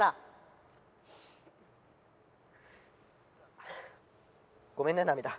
もうごめんね涙